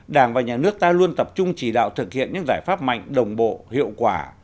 đảng và nhà nước ta luôn tập trung chỉ đạo thực hiện những giải pháp mạnh đồng bộ hiệu quả